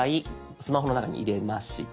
スマホの中に入れました。